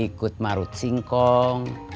ikut marut singkong